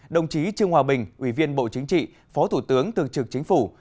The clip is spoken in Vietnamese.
đồng chí trương hòa bình ủy viên bộ chính trị phó thủ tướng tường trực chính phủ